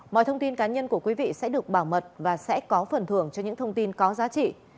mọi thông tin cá nhân của quý vị sẽ được bảo mật và sẽ có phần thưởng cho những thông tin có giá trị